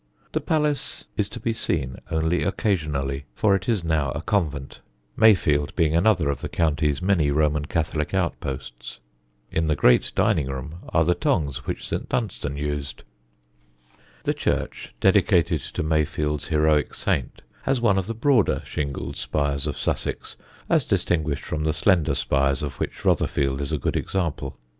The Palace is to be seen only occasionally, for it is now a convent, Mayfield being another of the county's many Roman Catholic outposts. In the great dining room are the tongs which St. Dunstan used. The church, dedicated to Mayfield's heroic saint, has one of the broader shingled spires of Sussex, as distinguished from the slender spires of which Rotherfield is a good example.